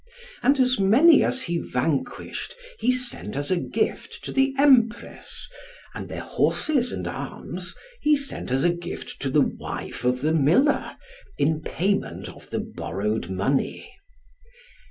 And as many as he vanquished, he sent as a gift to the Empress, and their horses and arms he sent as a gift to the wife of the miller, in payment of the borrowed money.